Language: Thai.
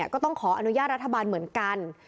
ก็ต้องขออนุญาตรัฐบาลเหมือนกัน